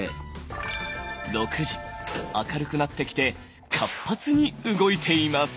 明るくなってきて活発に動いています。